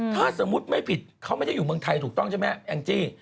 ถ้าสมมุติไม่ผิดเขาไม่ได้อยู่เมืองไทยถูกต้องใช่ไหมแองจี้